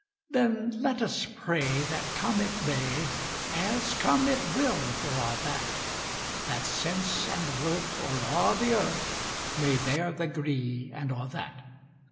Then let us pray that come it may, As come it will for a' that; That sense and worth, o'er a' the earth, May bear the gree, and a' that.